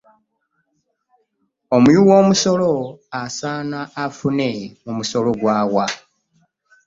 Omuwi w'omusolo asaana afune mu musolo gw'awa.